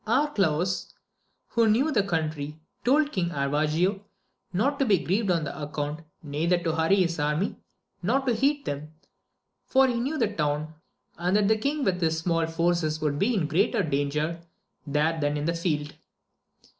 Arcalaus, who knew the country, told King Aravigo not to be grieved on that account, neither to hurry his army so as to heat them, for he knew the town, and that the king with 220 AMADIS OF GAUL. his small force would be in greater danger there than in the field.